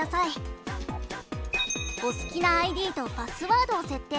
お好きなＩＤとパスワードを設定。